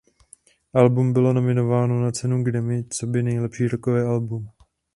Album bylo nominováno na cenu Grammy coby nejlepší rockové album.